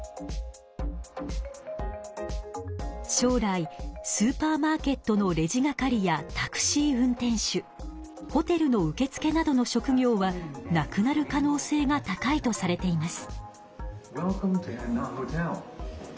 将来スーパーマーケットのレジ係やタクシー運転手ホテルの受付などの職業はなくなる可能性が高いとされています。